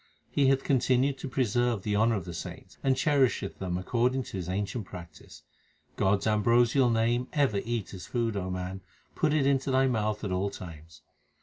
He hath continued to preserve the honour of the saints, and cherish them according to His ancient practice. God s ambrosial name ever eat as food, man ; put it into thy mouth at all times.